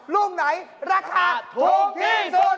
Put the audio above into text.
ลูกไหนราคาถูกที่สุด